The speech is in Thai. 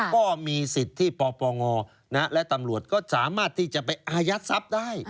ก็มีสิทธิ์ที่ปปงและตำรวจก็สามารถที่จะไปอายัดทรัพย์ได้